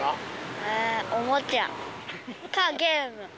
えー、おもちゃかゲーム。